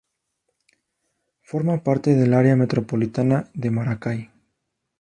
Forma parte del Área metropolitana de Maracay.